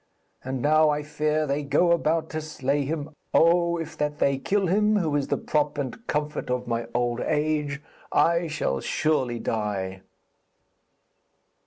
And now I fear they go about to slay him. Oh, if that they kill him, who is the prop and comfort of my old age, I shall surely die.'